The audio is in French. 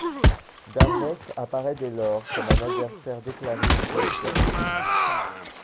Darjes apparait dès lors comme un adversaire déclaré du wolffianisme.